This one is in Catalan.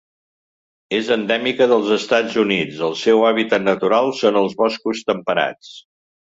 És endèmica dels Estats Units, el seu hàbitat natural són els boscos temperats.